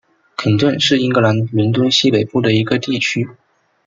肯顿是英格兰伦敦西北部的一个地区。